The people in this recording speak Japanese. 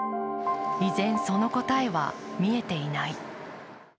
依然その答えは見えていない。